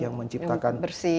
yang menciptakan bersih